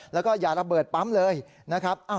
แล้วก็อย่าระเบิดปั๊มเลยนะครับ